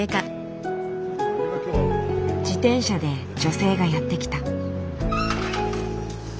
自転車で女性がやって来た。